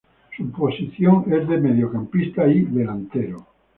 Su posición es de mediocampista y Delantero